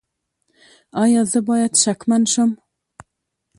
ایا زه باید شکمن شم؟